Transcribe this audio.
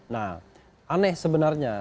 nah aneh sebenarnya